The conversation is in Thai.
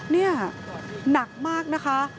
นี่หนักมากนะคะ